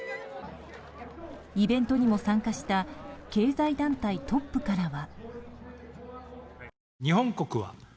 イベントにも参加した経済団体トップからは。